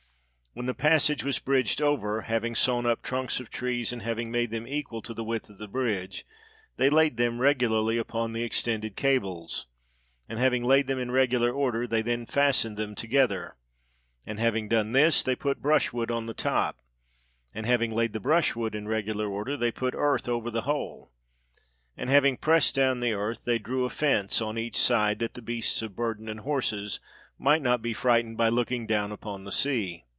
When the passage was bridged over, having sawn up trunks of trees, and having made them equal to the width of the bridge, they laid them regularly upon the extended cables; and having laid them in regular order, they then fastened them together. And having done this, they put brushwood on the top; and having laid the brushwood in regular order, they put earth over the whole; and having pressed down the earth, they drew a fence on each side, that the beasts of burden and horses might not be frightened by looking down upon the sea.